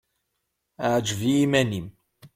Ɛǧeb i yiman-im.